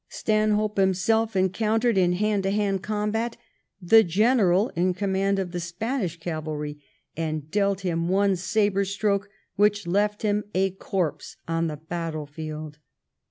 Stanhope himself encountered in hand to hand combat the general in command of the Spanish cavalry, and dealt him one sabre stroke which left him a corpse on the battlefield.